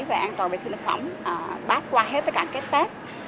về an toàn vệ sinh thực phẩm pass qua hết tất cả cái test